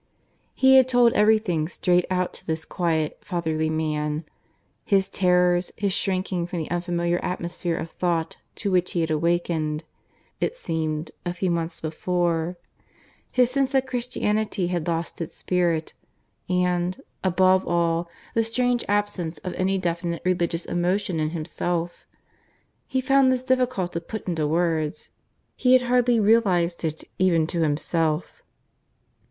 He had told everything straight out to this quiet, fatherly man his terrors, his shrinking from the unfamiliar atmosphere of thought to which he had awakened, it seemed, a few months before, his sense that Christianity had lost its spirit, and, above all, the strange absence of any definite religious emotion in himself. He found this difficult to put into words; he had hardly realized it even to himself.